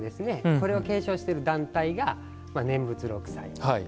これを継承している団体が念仏六斎。